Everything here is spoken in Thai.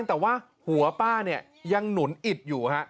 แต่ว่าหัวป้าเนี่ยยังหนุนอิดอยู่ฮะ